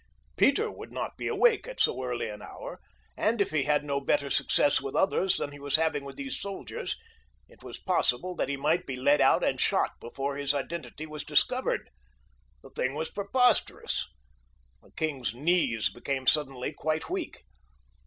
Peter would not be awake at so early an hour, and if he had no better success with others than he was having with these soldiers, it was possible that he might be led out and shot before his identity was discovered. The thing was preposterous. The king's knees became suddenly quite weak.